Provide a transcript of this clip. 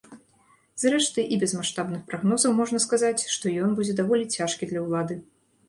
Зрэшты, і без маштабных прагнозаў можна сказаць, што ён будзе даволі цяжкі для ўлады.